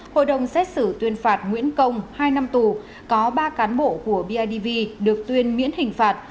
hội đồng xét xử tuyên phạt nguyễn công hai năm tù có ba cán bộ của bidv được tuyên miễn hình phạt